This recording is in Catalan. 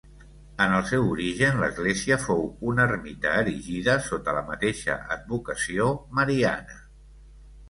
En el seu origen l'església fou una ermita erigida sota la mateixa advocació mariana.